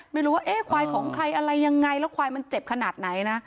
ไม่รู้ว่าเอ๊ะควายของใครอะไรยังไงแล้วควายมันเจ็บขนาดไหนนะ